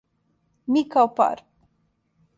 Ми као пар.